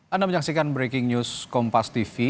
anda menyaksikan breaking news kompas tv